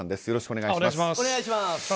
よろしくお願いします。